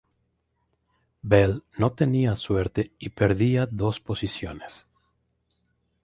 Bell no tenía suerte y perdía dos posiciones.